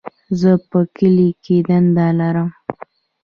زه په کلي کي دنده لرم.